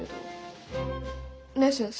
ねえ先生。